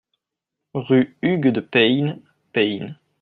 Rue Hugues de Payns, Payns